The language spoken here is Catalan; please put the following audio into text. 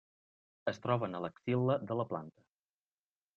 Es troben a l'axil·la de la planta.